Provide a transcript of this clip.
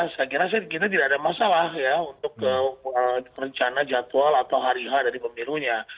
saya kira kita tidak ada masalah untuk rencana jadwal atau hariha dari pemilunya